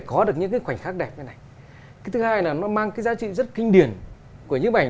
có những cái khoảnh khắc đẹp thế này cái thứ hai là nó mang cái giá trị rất kinh điển của những ảnh